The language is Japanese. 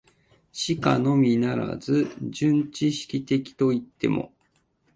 しかのみならず、純知識的といっても、